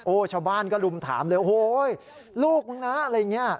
ชาวบ้านก็ลุมถามเลยโอ้โหลูกมึงนะอะไรอย่างนี้